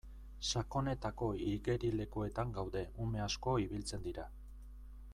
Sakonetako igerilekuetan gaude ume asko ibiltzen dira.